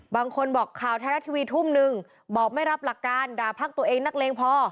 บางคนบอกข่าวไทยรัฐทีวีทุ่มนึงบอกไม่รับหลักการด่าพักตัวเองนักเลงพอ